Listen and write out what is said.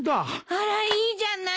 あらいいじゃない。